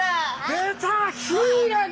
出たヒイラギ！